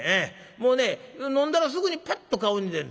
もう飲んだらすぐにパッと顔に出んの。